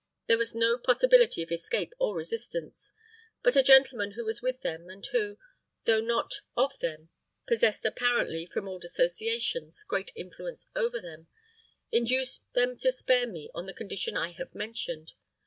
There was no possibility of escape or resistance; but a gentleman who was with them, and who, though not of them, possessed apparently, from old associations, great influence over them, induced them to spare me on the condition I have mentioned.